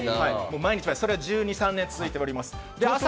それが１２１３年、続いております。